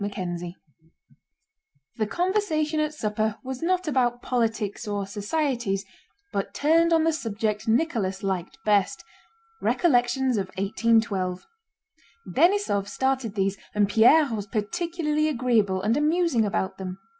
CHAPTER XV The conversation at supper was not about politics or societies, but turned on the subject Nicholas liked best—recollections of 1812. Denísov started these and Pierre was particularly agreeable and amusing about them.